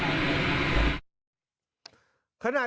แล้วเดียวต่อมา